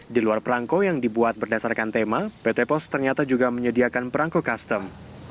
di luar perangko yang dibuat berdasarkan tema pt pos ternyata juga menyediakan perangko custom